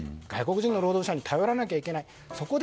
外国人労働者に頼らなきゃいけない。